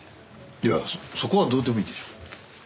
いやそこはどうでもいいでしょう。